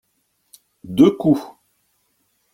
Deux coups.